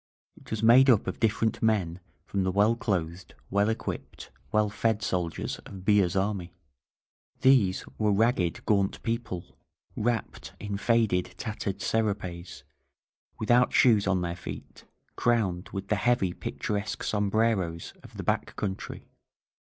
It was made up of different men from the well clothed, well equipped, well fed soldiers of Villa's army. These were ragged, gaunt people, wrapped in faded, tattered serapes, without shoes on their feet, crowned with the heavy, picturesque sombreros of the back country.